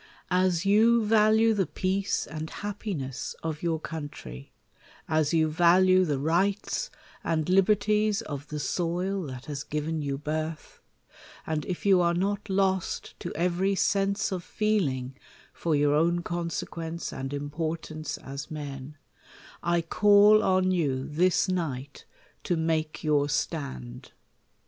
As you value the peace and happiness of your coun f try ; as you value the rights and liberties of the soil; that has given you birth ; and if you are not lost to every sense of feelin* for your own consequence and importance as men, I call on you this night to make your stand.